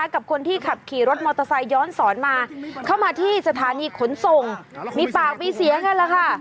กับคนที่ขับขี่รถมอเตอร์ไซค์ย้อนสอนมาเข้ามาที่สถานีขนส่งมีปากมีเสียงกันแล้วค่ะ